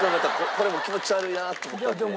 これも気持ち悪いなって思ったんで。